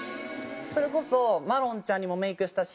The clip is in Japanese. それこそマロンちゃんにもメイクしたし。